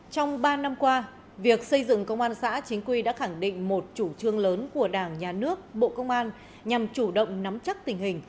trong ba năm qua việc xây dựng công an xã chính quy đã khẳng định một chủ trương lớn của đảng nhà nước bộ công an nhằm chủ động nắm chắc tình hình